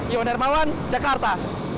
iwan hermawan jakarta